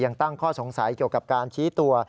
ยังตั้งข้อสงสัยเกี่ยวกับการชี้ตัว